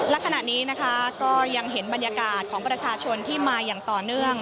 และขณะนี้นะคะก็ยังเห็นบรรยากาศของประชาชนที่มาอย่างต่อเนื่อง